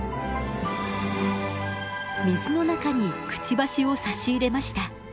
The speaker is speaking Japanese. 水の中にくちばしを差し入れました。